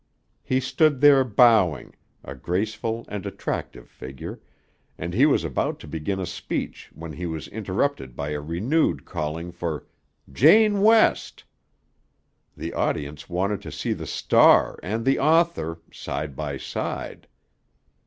He stood there bowing, a graceful and attractive figure, and he was about to begin a speech when he was interrupted by a renewed calling for "Jane West!" The audience wanted to see the star and the author side by side.